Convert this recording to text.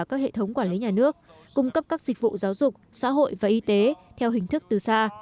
các hệ thống quản lý nhà nước cung cấp các dịch vụ giáo dục xã hội và y tế theo hình thức từ xa